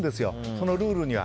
そのルールには。